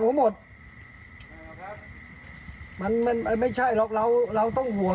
พ่อหยิบมีดมาขู่จะทำร้ายแม่แล้วขังสองแม่